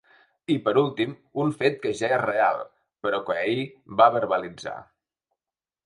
I, per últim, un fet que ja és real però que ahir va verbalitzar.